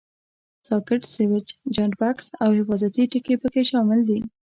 ساکټ، سویچ، جاینټ بکس او حفاظتي ټکي پکې شامل دي.